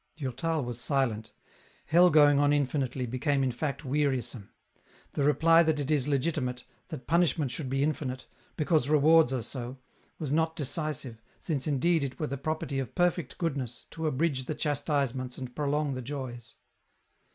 Durtal was silent ; hell going on infinitely became in fact wearisome. The reply that it is legitimate, that punish ment should be infinite, because rewards are so, was not decisive, since indeed it were the property of perfect good ness, to abridge the chastisements and prolong the joys.